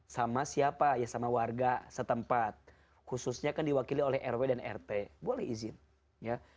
sama siapa ya sama warga setempat khususnya kan diwakili oleh rw dan rt boleh izin ya